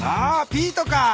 ピートか！